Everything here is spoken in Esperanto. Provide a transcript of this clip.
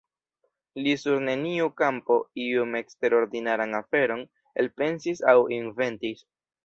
Li sur neniu kampo iun eksterordinaran aferon elpensis aŭ inventis.